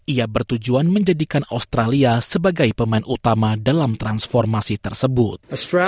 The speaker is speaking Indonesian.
ia bertujuan menjadikan australia sebagai pemain utama dalam transformasi tersebut